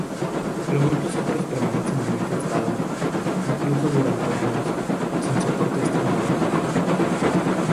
Pero muchos otros permanecen en ese estado, incluso durante años, sin soportes tecnológicos.